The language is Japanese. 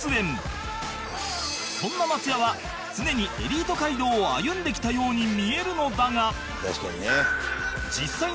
そんな松也は常にエリート街道を歩んできたように見えるのだが